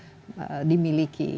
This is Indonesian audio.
dan teknologi yang dimiliki